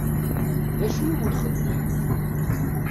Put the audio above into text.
D acu i wen-xedmen?